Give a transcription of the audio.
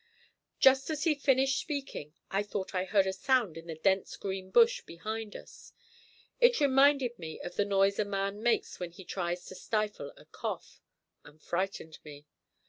Just as he finished speaking I thought that I heard a sound in the dense green bush behind us. It reminded me of the noise a man makes when he tries to stifle a cough, and frightened me.